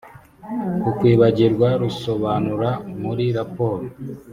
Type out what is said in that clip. ku kwibagirwa rusobanura muri raporo